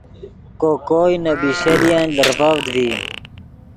کو کوئے نے بیشَلۡیَنۡ لرڤڤد ڤی